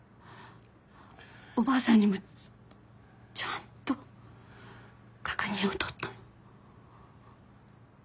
おばあさんにもちゃんと確認を取ったの。